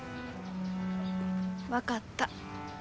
分かった。